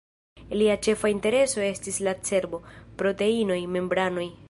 Lia ĉefa intereso estis la cerbo, proteinoj, membranoj.